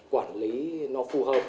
quản lý nó phù hợp